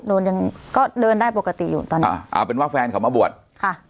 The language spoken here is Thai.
นนยังก็เดินได้ปกติอยู่ตอนนี้อ่าเอาเป็นว่าแฟนเขามาบวชค่ะ